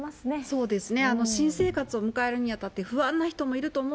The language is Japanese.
そうですね。